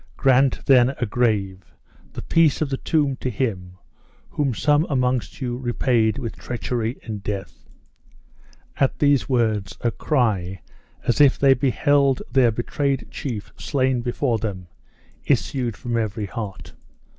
grant, then, a grave, the peace of the tomb to him, whom some amongst you repaid with treachery and death!" At these words a cry, as if they beheld their betrayed chief slain before them, issued from every heart.